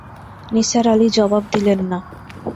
নিসার আলি জবাব দিলেন না।